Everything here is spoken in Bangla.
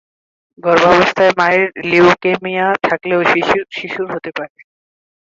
গর্ভাবস্থায় মায়ের লিউকেমিয়া থাকলেও শিশুর হতে পারে।